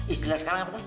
istilah sekarang apa tuh